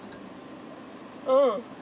うん。